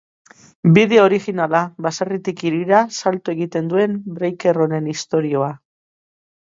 Bideo originala baserritik hirira salto egiten duen breaker honen istorioa.